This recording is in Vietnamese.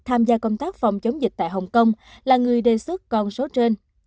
tham gia công tác phòng chống dịch tại hồng kông là người đề xuất con số trên